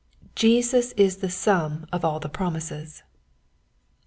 Jesus is the sum of all the promises.